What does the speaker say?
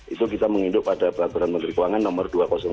itu kita menginduk pada peraturan menteri keuangan nomor dua ratus dua puluh